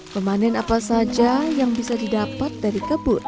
memanen apa saja yang bisa didapat dari kebun